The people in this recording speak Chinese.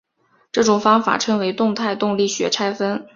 这种方法称为动态动力学拆分。